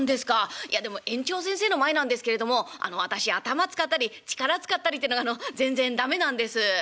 いやでも園長先生の前なんですけれども私頭使ったり力使ったりってのが全然駄目なんです」。